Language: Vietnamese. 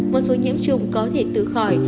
một số nhiễm trùng có thể tự khỏi